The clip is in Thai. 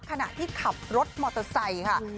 ขณะที่ขับรถมอเตอร์ไซค์ค่ะ